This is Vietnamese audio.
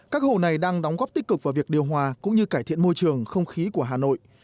các hồ này đang đóng góp tích cực vào việc điều hòa cũng như cải thiện môi trường không khí của hà nội